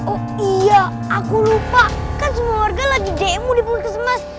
oh iya aku lupa kan semua warga lagi demo di punggung ke semas